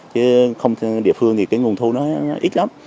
chứ không địa phương thì cái nguồn thu nó ít lắm